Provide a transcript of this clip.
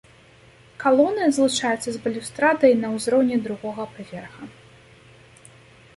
Калоны злучаюцца з балюстрадай на ўзроўні другога паверха.